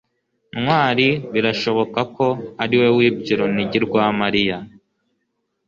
ntwali birashoboka ko ariwe wibye urunigi rwa mariya